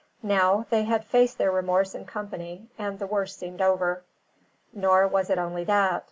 Now they had faced their remorse in company, and the worst seemed over. Nor was it only that.